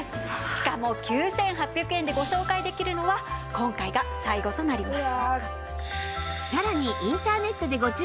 しかも９８００円でご紹介できるのは今回が最後となります。